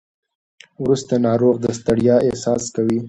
وروسته ناروغ د ستړیا احساس کوي.